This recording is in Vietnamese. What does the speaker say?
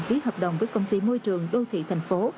ký hợp đồng với công ty môi trường đô thị thành phố